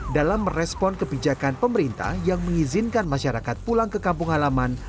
dalam merespon kebijakan pemerintah yang mengizinkan masyarakat pulang ke kampung halaman